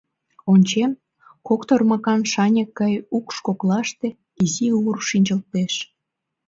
Ончем: кок тормакан шаньык гай укш коклаште изи ур шинчылтеш.